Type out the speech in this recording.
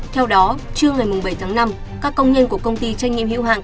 theo đó trưa ngày bảy tháng năm các công nhân của công ty tranh nghiệm hữu hạng